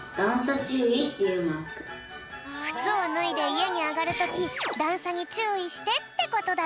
くつをぬいでいえにあがるときだんさにちゅういしてってことだぴょん。